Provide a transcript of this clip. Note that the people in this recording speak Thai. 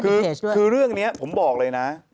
คือเรื่องนี้ผมบอกเลยนะ